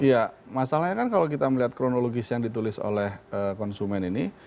iya masalahnya kan kalau kita melihat kronologis yang ditulis oleh konsumen ini